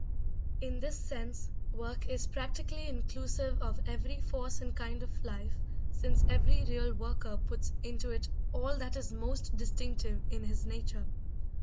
In this sense work is practically inclusive of every force and kind of life since every real worker puts into it all that is most distinctive in his nature.